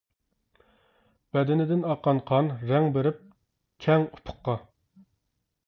بەدىنىدىن ئاققان قان، رەڭ بېرىپ كەڭ ئۇپۇققا.